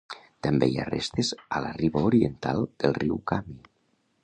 També hi ha restes a la riba oriental del riu Khami.